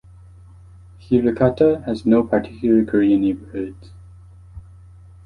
Hirakata has no particular Korean neighborhoods.